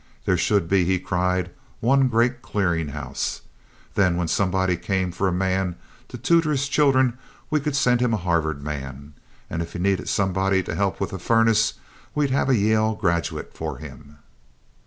"There should be," he cried, "one great clearing house. Then when somebody came for a man to tutor his children we could send him a Harvard man and if he needed somebody to help with the furnace, we'd have a Yale graduate for him."